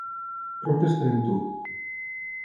Prompte estaré amb tu.